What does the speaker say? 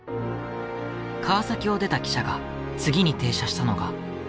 川崎を出た汽車が次に停車したのが。